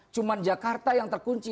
cuma jakarta yang terkunci